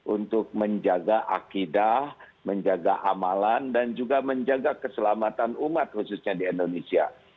untuk menjaga akidah menjaga amalan dan juga menjaga keselamatan umat khususnya di indonesia